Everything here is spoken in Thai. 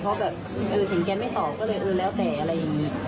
เพราะแบบเออถึงแกไม่ตอบก็เลยเออแล้วแต่อะไรอย่างนี้